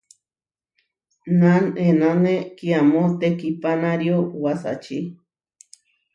Nanʼenane kiamó tekihpánario wasači.